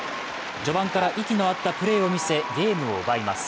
序盤から息の合ったプレーを見せ、ゲームを奪います。